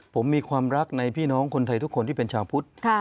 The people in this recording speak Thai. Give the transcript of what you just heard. ผมมีความรักในพี่น้องคนไทยทุกคนที่เป็นชาวพุทธ